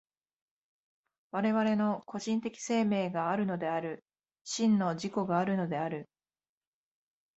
我々の個人的生命があるのである、真の自己があるのである。